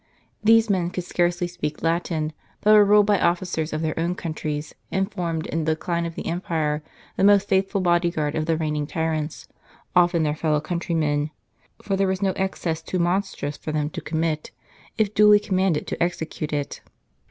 These men could scarcely speak Latin, but were ruled by officers of their own countries, and formed, in the decline of the empire, the most faithful body guard of the reigning tyrants, often their fellow countrymen; for there was no excess too monstrous for them to commit, if duly commanded to execute it.